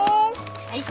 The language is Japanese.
はい。